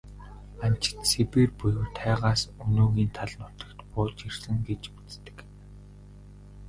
Анчид Сибирь буюу тайгаас өнөөгийн тал нутагт бууж ирсэн гэж үздэг.